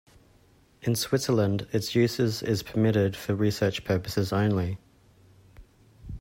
In Switzerland its use is permitted for research purposes only.